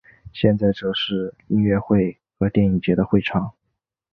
现在则是音乐会和电影节的会场。